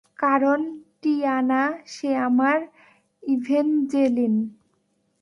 কারণ টিয়ানা, সে আমার ইভ্যাঞ্জেলিন।